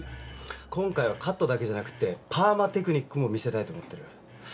今回はカットだけじゃなくてパーマテクニックも見せたいと思ってる。